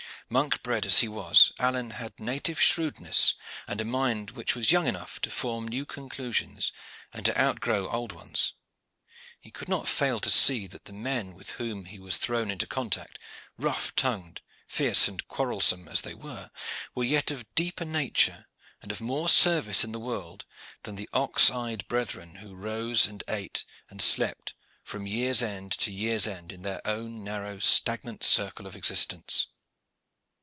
Monk bred as he was, Alleyne had native shrewdness and a mind which was young enough to form new conclusions and to outgrow old ones. He could not fail to see that the men with whom he was thrown in contact, rough tongued, fierce and quarrelsome as they were, were yet of deeper nature and of more service in the world than the ox eyed brethren who rose and ate and slept from year's end to year's end in their own narrow, stagnant circle of existence.